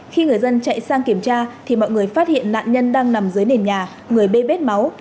khi người dân chạy sang kiểm tra thì mọi người phát hiện nạn nhân đang nằm dưới nền nhà người bê vết máu